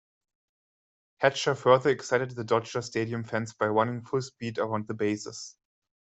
Hatcher further excited the Dodger stadium fans by running full speed around the bases.